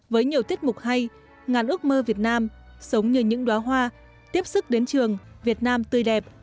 với nhiều tiết mục hay ngàn ước mơ việt nam sống như những đoá hoa tiếp sức đến trường việt nam tươi đẹp